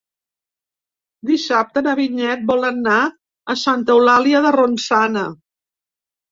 Dissabte na Vinyet vol anar a Santa Eulàlia de Ronçana.